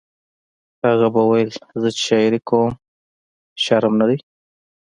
هغه به ویل زه چې شاعري کوم شرم نه دی